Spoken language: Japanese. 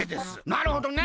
なるほどね。